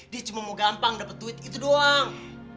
dia cuma mau gampang dapet duit itu doang